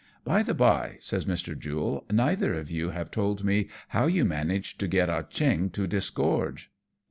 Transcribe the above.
" By the bye," says Mr. Jule, " neither of you have told me how you managed to get Ah Cheong to dis gorge."